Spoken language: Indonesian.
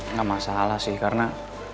nggak masalah sih karena